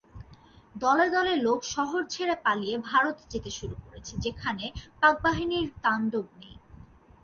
দলে দলে লোক শহর ছেড়ে পালিয়ে ভারতে যেতে শুরু করেছে, যেখানে পাকবাহিনীর তাণ্ডব নেই।